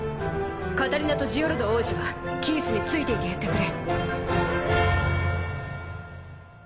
カタリナとジオルド王子はキースについていてやってくれ。